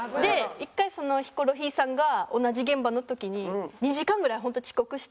一回ヒコロヒーさんが同じ現場の時に２時間ぐらい遅刻してきて。